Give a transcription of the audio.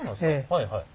はいはい。